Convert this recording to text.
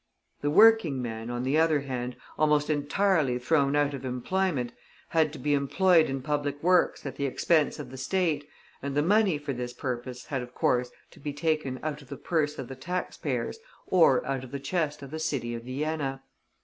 The working men, on the other hand, almost entirely thrown out of employment, had to be employed in public works at the expense of the State, and the money for this purpose had, of course, to be taken out of the purse of the tax payers or out of the chest of the city of Vienna.